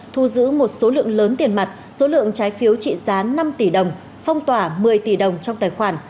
thu giữ một số lượng lớn tiền mặt số lượng trái phiếu trị giá năm tỷ đồng phong tỏa một mươi tỷ đồng trong tài khoản